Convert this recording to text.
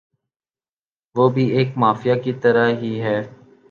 ۔ وہ بھی ایک مافیا کی طرح ھی ھیں